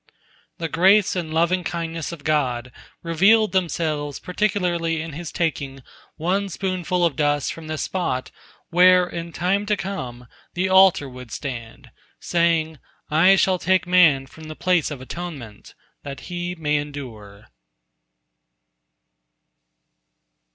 " The grace and lovingkindness of God revealed themselves particularly in His taking one spoonful of dust from the spot where in time to come the altar would stand, saying, "I shall take man from the place of atonement, that he may endure."